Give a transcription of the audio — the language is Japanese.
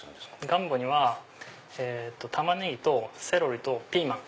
ガンボにはタマネギとセロリとピーマン。